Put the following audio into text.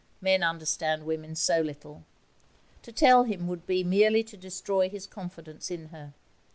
Men understand women so little. To tell him would be merely to destroy his confidence in her.